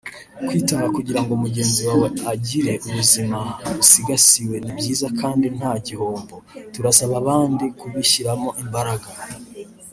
Kwitanga kugira ngo mugenzi wawe agire ubuzima busigasiwe ni byiza kandi nta gihombo; turasaba abandi kubishyiramo imbaraga